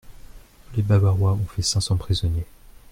Les Bavarois ont fait cinq cents prisonniers.